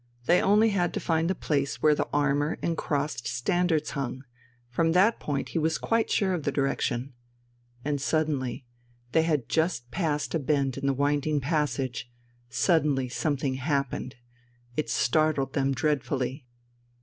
They only had to find the place where the armour and crossed standards hung; from that point he was quite sure of the direction. And suddenly they had just passed a bend in the winding passage suddenly something happened. It startled them dreadfully.